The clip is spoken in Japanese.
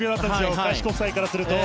開志国際からすると。